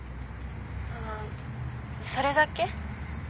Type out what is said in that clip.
あそれだけ？